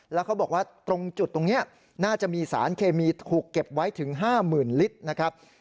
แล้วเขาบอกว่าตรงจุดตรงนี้น่าจะมีสารเคมีถูกเก็บไว้ถึง๕๐๐๐ลิตรนะครับ